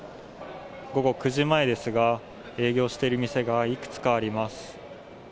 午後９時前ですが、営業している店がいくつかあります。